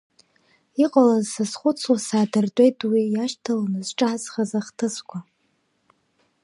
Иҟалаз сазхәыцуа саадыртәеит уи иашьҭаланы зҿаазхаз ахҭысқәа.